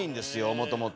もともと。